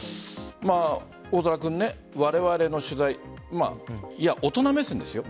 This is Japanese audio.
大空君、われわれの取材大人目線ですよ。